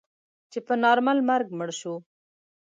چې په نارمل مرګ مړ شو.